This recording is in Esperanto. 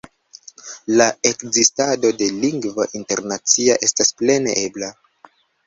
La ekzistado de lingvo internacia estas plene ebla.